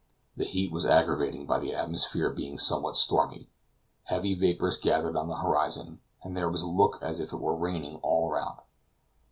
The heat was aggravated by the atmosphere being somewhat stormy. Heavy vapors gathered on the horizon, and there was a look as if it were raining all around.